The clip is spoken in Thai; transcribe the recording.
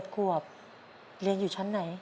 ๗ขวบเรียนอยู่ชั้นไหน